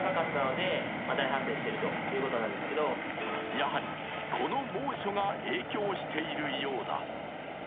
やはり、この猛暑が影響しているようだ。